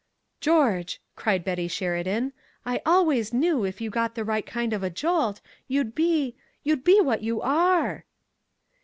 "George," cried Betty Sheridan, "I always knew, if you got the right kind of a jolt, you'd be you'd be what you are!" E.